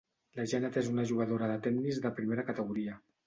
La Janet és una jugadora de tennis de primera categoria.